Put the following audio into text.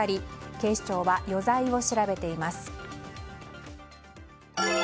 警視庁は余罪を調べています。